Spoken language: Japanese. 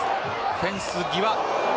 フェンス際。